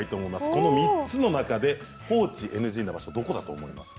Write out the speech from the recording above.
この３つの中で放置ＮＧな場所はどこだと思いますか？